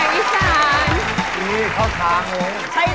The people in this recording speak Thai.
มีครับ